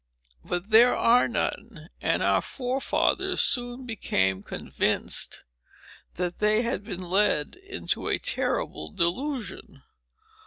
But there are none; and our forefathers soon became convinced, that they had been led into a terrible delusion.